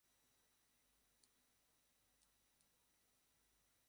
আমাকে প্যারিস যেতে হবে।